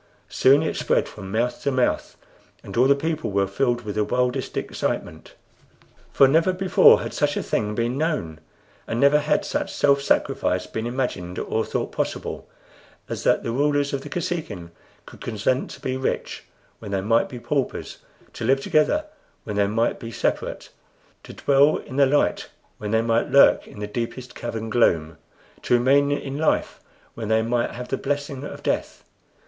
Soon it spread from mouth to mouth, and all the people were filled with the wildest excitement. For never before had such a thing been known, and never had such self sacrifice been imagined or thought possible, as that the rulers of the Kosekin could consent to be rich when they might be paupers; to live together when they might be separate; to dwell in the light when they might lurk in the deepest cavern gloom; to remain in life when they might have the blessing of death.